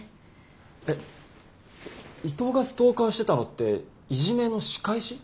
え伊藤がストーカーしてたのってイジメの仕返し？